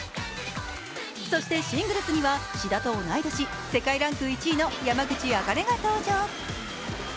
そしてシングルスには志田と同い年、世界ランク１位の山口茜が登場。